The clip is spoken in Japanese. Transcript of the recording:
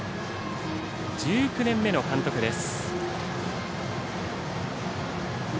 １９年目の監督です。